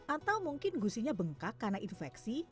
atau mungkin gusinya bengkak karena infeksi